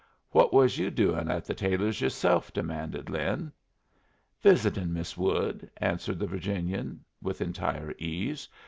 "What was you doing at the Taylors' yourself?" demanded Lin. "Visitin' Miss Wood," answered the Virginian, with entire ease.